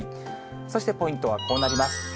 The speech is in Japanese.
そしてポイントはこうなります。